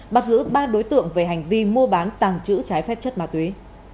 bắt giữ ba đối tượng về hành vi mua bán tàng trữ trái phép chất ma túy